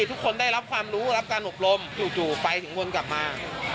ทุกคนได้รับความรู้รับการอบรมจู่ไฟถึงวนกลับมา